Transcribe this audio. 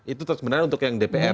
itu sebenarnya untuk yang dpr